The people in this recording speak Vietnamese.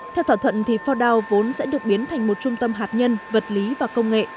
theo thỏa thuận fordow vốn sẽ được biến thành một trung tâm hạt nhân vật lý và công nghệ